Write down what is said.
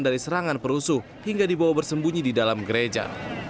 dari serangan perusuh hingga dibawa bersembunyi di dalam gereja